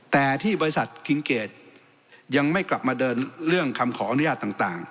แต่ที่บริษัทคิงเกจยังไม่กลับมาเดินเรื่องคำขออนุญาตต่าง